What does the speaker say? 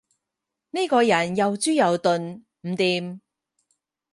呢個人又豬又鈍，唔掂